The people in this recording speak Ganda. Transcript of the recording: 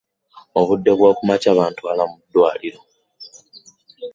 Mu budde obw'okumakya bantwala mu ddwaaliro.